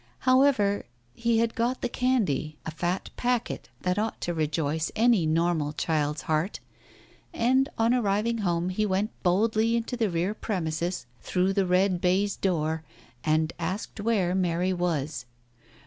... However, he had got the candy, a fat packet that ought to rejoice any normal child's heart, and on arriving home he went boldly into the rear premises through the red baize door, and asked where Mary was?